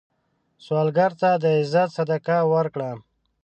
سوالګر ته د عزت صدقه ورکړه